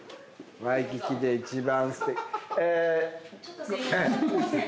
ワイキキで一番。